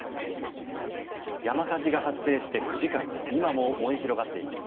山火事が発生して９時間今も燃え広がっています。